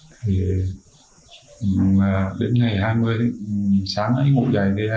đến ngày hai mươi sáng ấy ngủ dậy thì em dậy dân trong đầu có suy nghĩ là